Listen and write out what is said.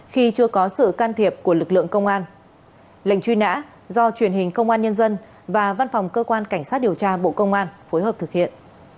khi chưa có sự can thiệp của lực lượng công an lệnh truy nã do truyền hình công an nhân dân và văn phòng cơ quan cảnh sát điều tra bộ công an phối hợp thực hiện